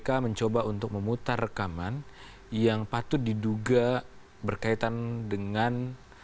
kpk mencoba untuk memutar rekaman yang patut diduga berkaitan dengan